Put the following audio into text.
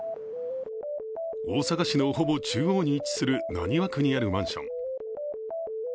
大阪市のほぼ中央に位置する浪速区になるマンション。